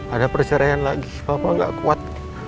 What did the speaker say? ada perceraian lagi papa gak kuat